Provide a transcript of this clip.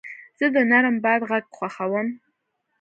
زه د نرم باد غږ خوښوم.